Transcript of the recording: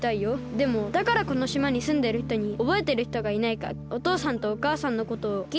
でもだからこのしまにすんでるひとにおぼえてるひとがいないかおとうさんとおかあさんのことをきいてみようかとおもって。